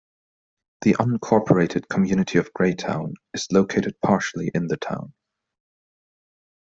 The unincorporated community of Graytown is located partially in the town.